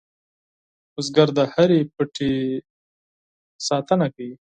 بزګر د هر پټي ساتنه کوي